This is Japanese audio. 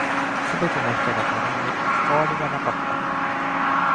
全ての人が他人で関わりがなかった。